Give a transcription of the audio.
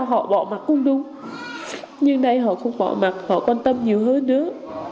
họ bỏ mặt không đúng nhưng đây họ không bỏ mặt họ quan tâm nhiều hơn nữa